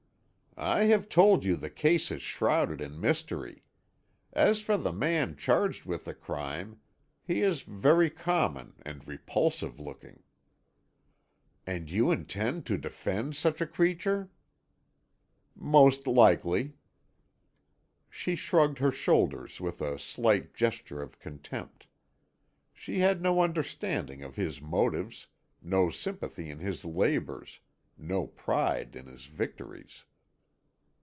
"I have told you the case is shrouded in mystery. As for the man charged with the crime, he is very common and repulsive looking." "And you intend to defend such a creature?" "Most likely." She shrugged her shoulders with a slight gesture of contempt. She had no understanding of his motives, no sympathy in his labours, no pride in his victories.